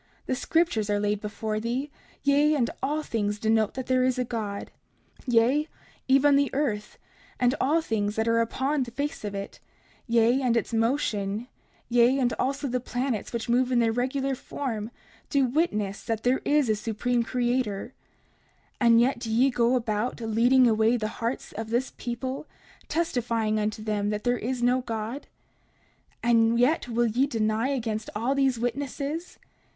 The scriptures are laid before thee, yea, and all things denote there is a God; yea, even the earth, and all things that are upon the face of it, yea, and its motion, yea, and also all the planets which move in their regular form do witness that there is a Supreme Creator. 30:45 And yet do ye go about, leading away the hearts of this people, testifying unto them there is no God? And yet will ye deny against all these witnesses?